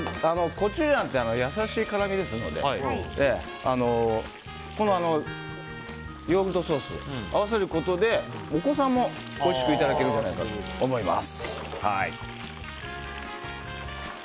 コチュジャンって優しい辛みですのでヨーグルトソースを合わせることでお子さんもおいしくいただけるんじゃないかと思います。